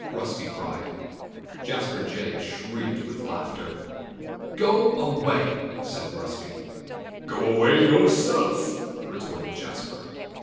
Rusty cried. Jasper Jay shrieked with laughter. "Go away!" said Rusty. "Go away yourself!" retorted Jasper.